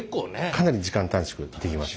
かなり時間短縮できます。